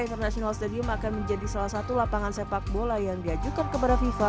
international stadium akan menjadi salah satu lapangan sepak bola yang diajukan kepada fifa